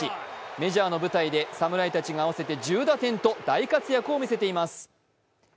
メジャーの舞台で侍たちが合わせて１０打点と大活躍を見せています。